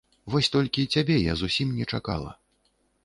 Вось толькі цябе я зусім не чакала.